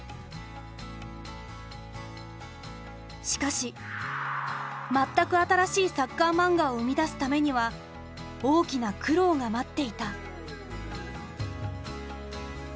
しかし全く新しいサッカーマンガを生み出すためには大きな苦労が待っていた。